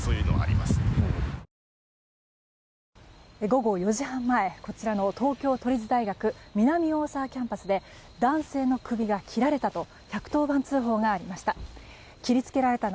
午後４時半前こちらの東京都立大学南大沢キャンパスで男性の首が切られたと１１０番通報がありました。